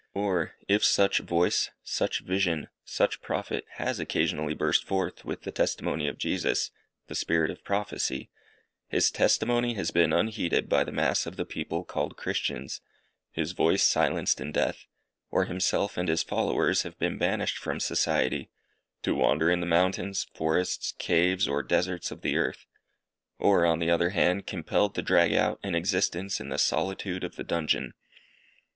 Or, if such voice, such vision, such Prophet has occasionally burst forth with the testimony of Jesus, the spirit of prophecy, his testimony has been unheeded by the mass of the people called Christians, his voice silenced in death, or himself and his followers have been banished from society, to wander in the mountains, forests, caves, or deserts of the earth; or, on the other hand, compelled to drag out an existence in the solitude of the dungeon.